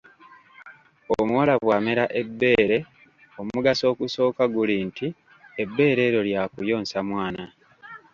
Omuwala bw'amera ebbeere omugaso ogusooka, guli nti, ebbeere eryo lya kuyonsa mwana.